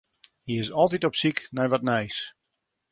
Hy is altyd op syk nei wat nijs.